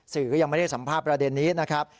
สื่อก็ยังไม่ได้สัมภาพประเด็นนี้นะครับ